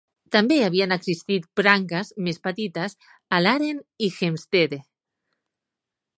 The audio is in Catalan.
També havien existit branques més petites a Laren i Heemstede.